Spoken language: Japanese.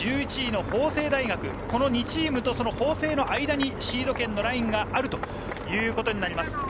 １１位の法政大学、この２チームと法政の間にシード権のラインがあるということになります。